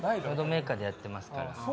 ムードメーカーでやってますから。